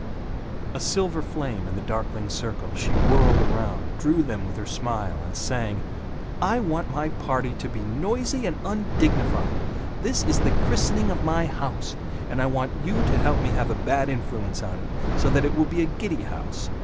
A silver flame in the darkling circle, she whirled around, drew them with her smile, and sang, "I want my party to be noisy and undignified! This is the christening of my house, and I want you to help me have a bad influence on it, so that it will be a giddy house.